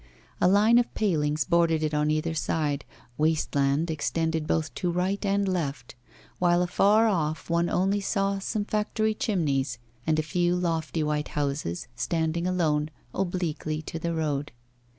A line of palings bordered it on either side, waste land extended both to right and left, while afar off one only saw some factory chimneys and a few lofty white houses, standing alone, obliquely to the road.